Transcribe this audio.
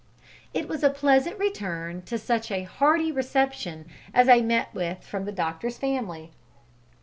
It was pleasant to return to such a hearty reception as I met with from the doctor's family.